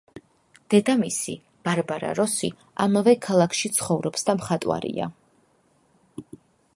დედამისი, ბარბარა როსი, ამავე ქალაქში ცხოვრობს და მხატვარია.